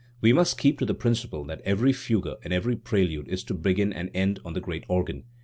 We must keep to the principle that every fugue and every prelude is to begin and end on the great organ.